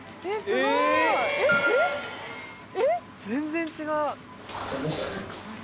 全然違う。